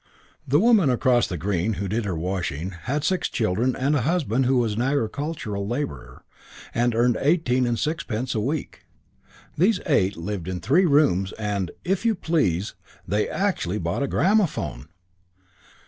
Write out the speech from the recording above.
The woman across the Green who did her washing had six children and a husband who was an agricultural labourer and earned eighteen and sixpence a week. These eight lived in three rooms and "if you please" they actually bought a gramophone!